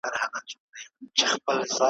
جهانګير ته په جاموکي ,